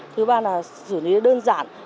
thứ ba là xử lý đơn giản